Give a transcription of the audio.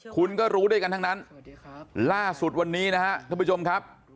คุณก็รู้ด้วยกันทั้งนั้นล่าสุดวันนี้นะครับท่านผู้ชมครับ